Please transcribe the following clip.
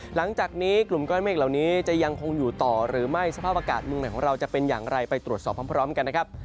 หลังจากนี้กลุ่มก้อนเมฆเหล่านี้จะยังคงอยู่ต่อหรือไม่สภาพอากาศเมืองไหนของเราจะเป็นอย่างไรไปตรวจสอบพร้อมกันนะครับ